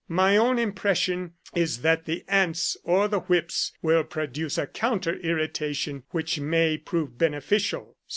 My own im pression is that the ants or the whips will produce a counter irritation, which may prove beneficial.